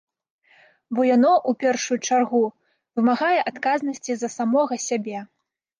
Бо яно, у першую чаргу, вымагае адказнасці за самога сябе.